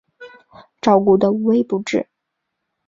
照顾得无微不至